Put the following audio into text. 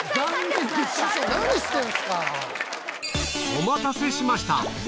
お待たせしました！